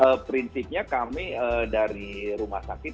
ya prinsipnya kami dari rumah sakit